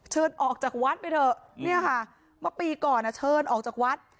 เชิญออกจากวัดไปเถอะเนี่ยค่ะเมื่อปีก่อนเชิญออกจากวัด